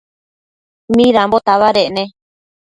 Midambo tabadec ne?